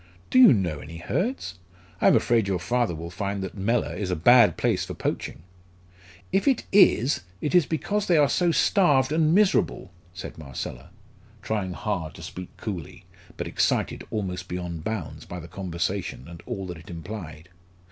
"Do you know any Hurds? I am afraid your father will find that Mellor is a bad place for poaching." "If it is, it is because they are so starved and miserable," said Marcella, trying hard to speak coolly, but excited almost beyond bounds by the conversation and all that it implied.